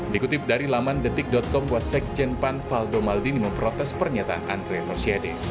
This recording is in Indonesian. dikutip dari laman detik com was sekjen pan faldo maldini memprotes pernyataan andre rosiade